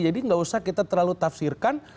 jadi gak usah kita terlalu tafsirkan